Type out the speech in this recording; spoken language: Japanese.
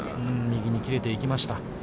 右に切れていきました。